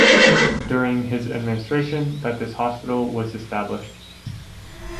During his administration that this hospital was established.